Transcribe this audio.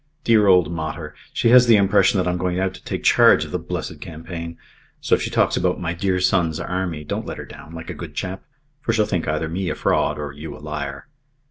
"Dear old mater! She has the impression that I'm going out to take charge of the blessed campaign. So if she talks about 'my dear son's army,' don't let her down, like a good chap for she'll think either me a fraud or you a liar."